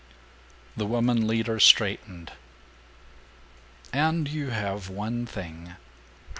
The woman leader straightened. "And you have one thing.